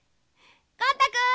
ゴン太くん！